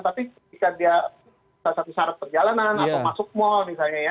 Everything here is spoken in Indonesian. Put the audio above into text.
tapi ketika dia salah satu syarat perjalanan atau masuk mal misalnya ya